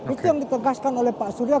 itu yang ditegaskan oleh pak surya